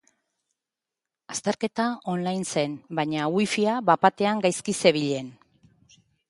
Azterketa online zen baina wifia bapatean gaizki zebilen.